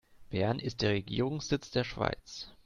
Bern ist der Regierungssitz der Schweiz.